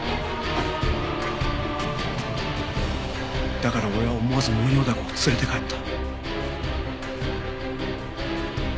だから俺は思わずモンヨウダコを連れて帰った。